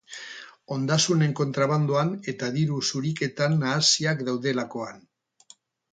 Ondasunen kontrabandoan eta diru zuriketan nahasiak daudelakoan.